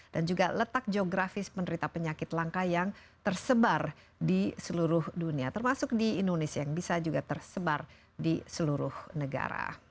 juga letak geografis penderita penyakit langka yang tersebar di seluruh dunia termasuk di indonesia yang bisa juga tersebar di seluruh negara